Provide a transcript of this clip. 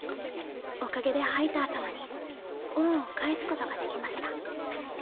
おかげでハイター様に恩を返すことができました。